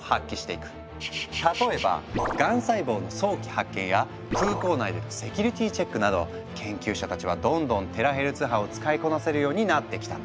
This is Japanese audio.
例えばがん細胞の早期発見や空港内でのセキュリティチェックなど研究者たちはどんどんテラヘルツ波を使いこなせるようになってきたんだ。